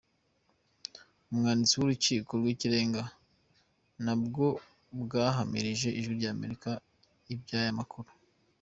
Ubwanditsi bw’urukiko rw’ikirenga na bwo bwahamirije ijwi ry’Amerika iby’aya makuru.